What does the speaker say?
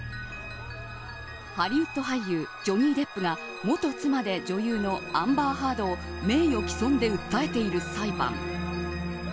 ハリウッド俳優ジョニー・デップが元妻で女優のアンバー・ハードを名誉毀損で訴えている裁判。